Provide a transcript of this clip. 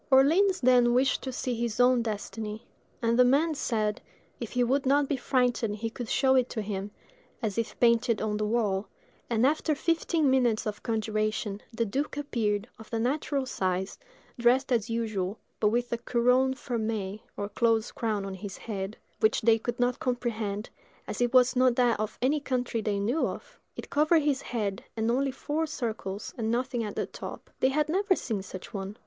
Orleans then wished to see his own destiny; and the man said, if he would not be frightened he could show it to him, as if painted on the wall; and after fifteen minutes of conjuration, the duke appeared, of the natural size, dressed as usual, but with a couronne fermée or closed crown on his head, which they could not comprehend, as it was not that of any country they knew of. It covered his head, had only four circles, and nothing at the top. They had never seen such a one.